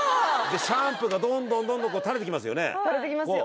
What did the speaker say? シャンプーがどんどんどんどん垂れてきますよね垂れてきますよ